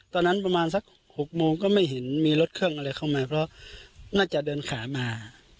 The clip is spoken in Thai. ประมาณสัก๖โมงก็ไม่เห็นมีรถเครื่องอะไรเข้ามาเพราะน่าจะเดินขามา